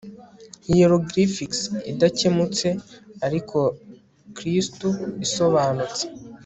hieroglyphics idakemutse ariko kristuisobanutse